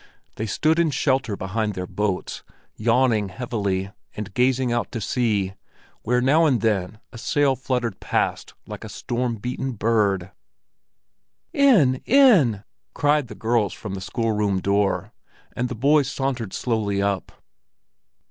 They stood in shelter behind their boats, yawning heavily and gazing out to sea, where now and then a sail fluttered past like a storm beaten bird. "In, in!" cried the girls from the schoolroom door, and the boys sauntered slowly up.